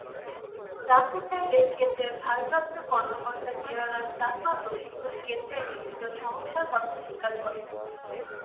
জানতে চাইলে কেন্দ্রের ভারপ্রাপ্ত কর্মকর্তা নিরালয় চাকমা প্রশিক্ষণকেন্দ্রের বিভিন্ন সমস্যার কথা স্বীকার করেন।